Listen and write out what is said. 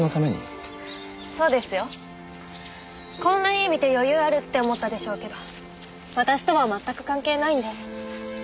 そうですよ。こんな家見て余裕あるって思ったでしょうけど私とは全く関係ないんです。